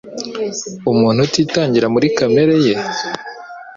Umuntu utitangira muri kamere ye